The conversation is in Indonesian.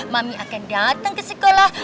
mami akan datang ke sekolah